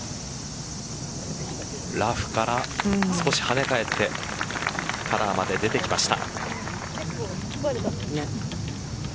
ラフから少しはね返ってカラーまで出てきました。